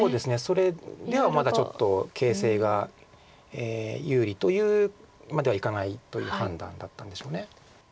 それではまだちょっと形勢が有利というまではいかないという判断だったんでしょう。